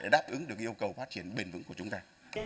đáp ứng được yêu cầu phát triển bền vững của chúng ta